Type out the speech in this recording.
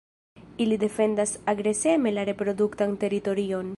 Ili defendas agreseme la reproduktan teritorion.